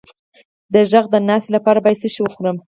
د غږ د ناستې لپاره باید څه شی وخورم؟